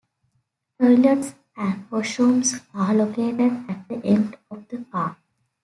Toilets and washrooms are located at the ends of the car.